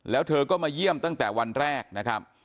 แล้วเธอก็มาเยี่ยมตั้งแต่วันแรกนะครับ